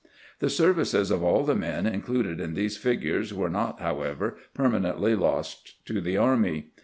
The services of aU the men included in these figures were not, how ever, permanently lost to the army.